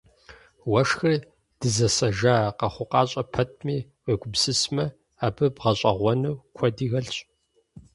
Уэшхыр дызэсэжа къэхъукъащӏэ пэтми, уегупсысмэ, абы бгъэщӏэгъуэну куэди хэлъщ.